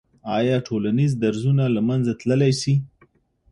آیا ټولنیز درزونه له منځه تللی سي؟